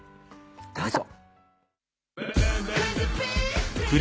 どうぞ。